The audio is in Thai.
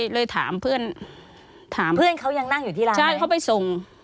เลยถามเพื่อนเขายังนั่งอยู่ที่ร้านไหมใช่เขาไปส่ง